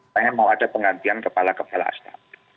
saya mau ada penggantian kepala kepala asal